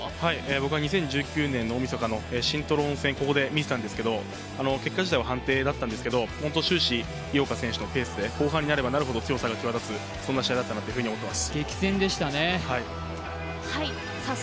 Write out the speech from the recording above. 僕は２０１９年の大みそかのシントロン戦をここで見ていたんですけれども、結果自体は判定だったんですけど、終始井岡選手のペースで後半になればなるほど強さが際立つ試合だったと思います。